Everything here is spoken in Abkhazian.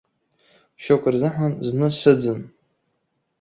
Шьоукы рзыҳәан зны сыӡын.